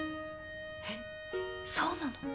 えっそうなの？